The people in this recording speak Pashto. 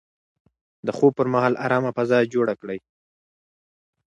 د خوب پر مهال ارامه فضا جوړه کړئ.